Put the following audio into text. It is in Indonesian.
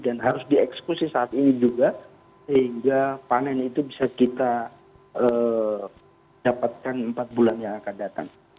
dan harus dieksekusi saat ini juga sehingga panen itu bisa kita dapatkan empat bulan yang akan datang